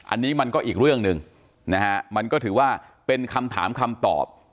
อันนี้มันก็อีกเรื่องหนึ่งนะฮะมันก็ถือว่าเป็นคำถามคำตอบ